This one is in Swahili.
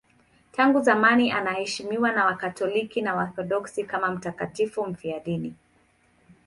Tangu zamani anaheshimiwa na Wakatoliki na Waorthodoksi kama mtakatifu mfiadini.